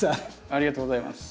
ありがとうございます。